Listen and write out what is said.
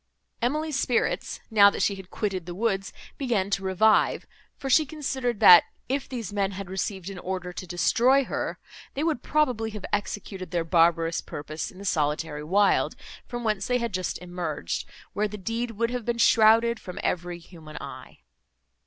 Emily's spirits, now that she had quitted the woods, began to revive; for she considered, that, if these men had received an order to destroy her, they would probably have executed their barbarous purpose in the solitary wild, from whence they had just emerged, where the deed would have been shrouded from every human eye.